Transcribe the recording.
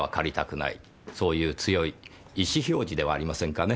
そういう強い意思表示ではありませんかね